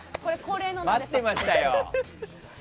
待ってましたよ。